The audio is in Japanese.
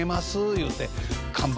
いうて看板